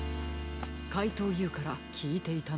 かいとうＵからきいていたのでしょう。